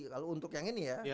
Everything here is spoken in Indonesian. kalau untuk yang ini ya